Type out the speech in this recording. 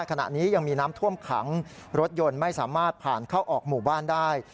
ขณะนี้ยังมีน้ำท่วมขังรถยนต์ไม่สามารถผ่านเข้าออกหมู่บ้านได้